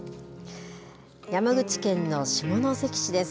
山口県の下関市です。